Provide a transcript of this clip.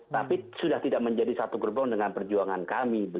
tapi sudah tidak menjadi satu gerbong dengan perjuangan kami